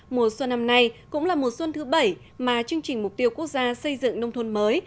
mùa xuân năm nay cũng là mùa xuân thứ bảy mà chương trình mục tiêu quốc gia xây dựng nông thôn mới